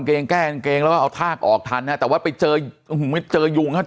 เกงแก้เกงแล้วเอาทากออกทันนะแต่ว่าไปเจอไม่เจอยูง